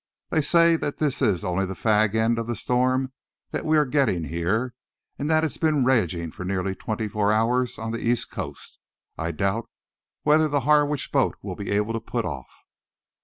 They say that this is only the fag end of the storm that we are getting here, and that it's been raging for nearly twenty four hours on the east coast. I doubt whether the Harwich boat will be able to put off."